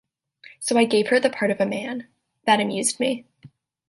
So I gave her the part of a man - that amused me.